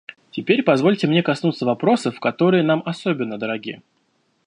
Теперь позвольте мне коснуться вопросов, которые нам особенно дороги.